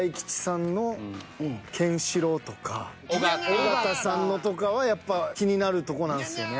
尾形さんのとかはやっぱ気になるとこなんすよね。